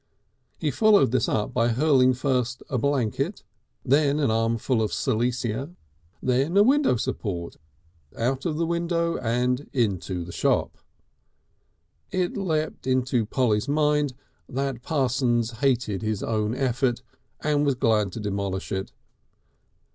He followed this up by hurling first a blanket, then an armful of silesia, then a window support out of the window into the shop. It leapt into Polly's mind that Parsons hated his own effort and was glad to demolish it.